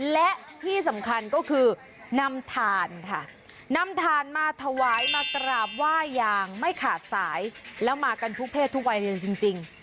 และที่สำคัญก็คือนำถ่านค่ะนำถ่านมาถวายมากราบไหว้อย่างไม่ขาดสายแล้วมากันทุกเพศทุกวัยเลยจริง